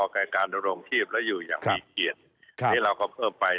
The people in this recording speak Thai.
กายการโรงทีพแล้วอยู่อย่างมีเกียรติครับนี่เราก็เพิ่มไป